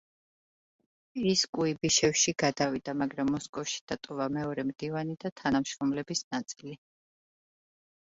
ის კუიბიშევში გადავიდა, მაგრამ, მოსკოვში დატოვა მეორე მდივანი და თანამშრომლების ნაწილი.